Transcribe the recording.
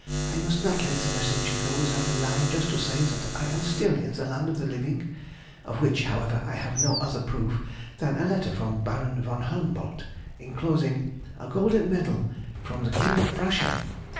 — I must not let the messenger go without a line just to say that I am still in the land of the living, of which, however, I have no other proof than a letter from Baron v. Humboldt, inclosing a Golden Medal from the King of Prussia.